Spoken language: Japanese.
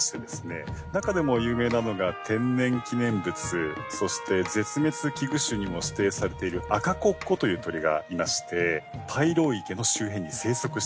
中でも有名なのが天然記念物そして絶滅危惧種にも指定されているアカコッコという鳥がいまして大路池の周辺に生息していると。